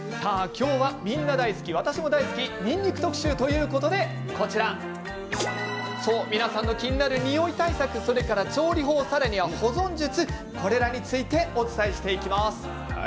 今日はみんな大好き私も大好きにんにく特集ということで、こちら皆さんの気になるにおい対策調理法、さらには保存術これらについてお伝えしていきます。